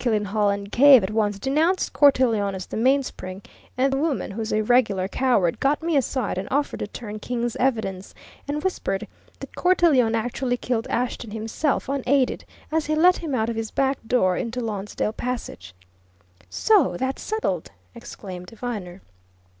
Killenhall and Cave at once denounced Cortelyon as the mainspring, and the woman, who's a regular coward, got me aside and offered to turn King's evidence, and whispered that Cortelyon actually killed Ashton himself, unaided, as he let him out of his back door into Lonsdale Passage!" "So that's settled!" exclaimed Viner.